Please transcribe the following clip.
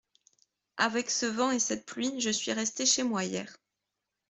Avec ce vent et cette pluie, je suis resté chez moi hier.